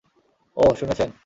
ওহ, শুনেছেন।